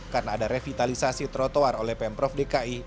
karena ada revitalisasi trotoar oleh pemprov dki